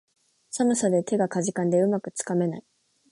寒さで手がかじかんで、うまくつかめない